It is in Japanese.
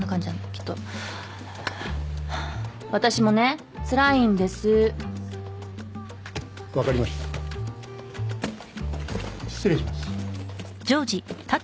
きっと私もねつらいんですわかりました失礼します